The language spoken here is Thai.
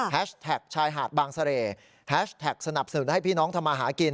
แท็กชายหาดบางเสร่แฮชแท็กสนับสนุนให้พี่น้องทำมาหากิน